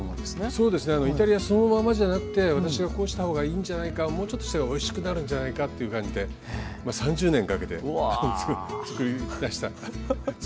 そうですねイタリアそのままじゃなくて私がこうした方がいいんじゃないかもうちょっとしたらおいしくなるんじゃないかっていう感じで３０年かけて作り出した作り方ですね。